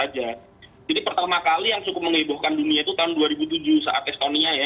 jadi pertama kali yang cukup mengebohkan dunia itu tahun dua ribu tujuh saat estonia ya